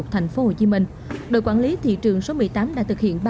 thành phố hồ chí minh đội quản lý thị trường số một mươi tám đã thực hiện